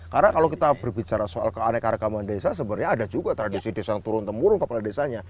karena kalau kita berbicara soal keanekaragaman desa sebenarnya ada juga tradisi desa yang turun temurun kepala desanya